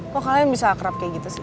kok kalian bisa akrab kayak gitu sih